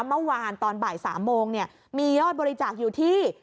เมื่อวานตอนบ่าย๓โมงมียอดบริจาคอยู่ที่